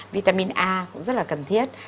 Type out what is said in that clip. vitamin a cũng rất là cần thiết